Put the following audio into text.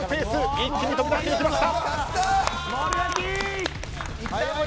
一気に飛び出してきました。